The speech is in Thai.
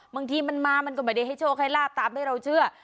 บางทีมันมามันก็ไม่ได้ให้โชคให้ลาบตามที่เราเชื่อ